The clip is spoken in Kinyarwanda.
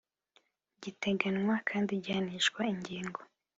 giteganywa kandi gihanishwa ingingo